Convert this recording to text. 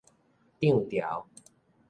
漲潮